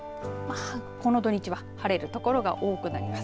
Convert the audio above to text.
この土日は晴れるところが多くなります。